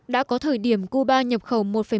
đã có thời điểm cuba nhập khẩu